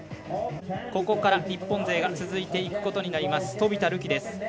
ここから日本勢が続いていくことになります。